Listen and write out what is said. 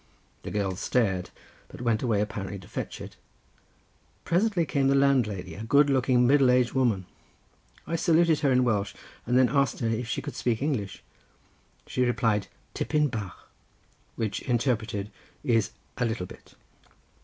The girl stared, but went away apparently to fetch it. Presently came the landlady, a good looking middle aged woman. I saluted her in Welsh and then asked her if she could speak English. She replied "Tipyn bach," which interpreted, is, a little bit.